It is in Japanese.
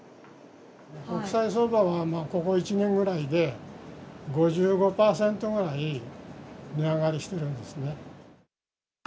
国際相場はここ１年ぐらいで５５％ぐらい値上がりしてるんですね。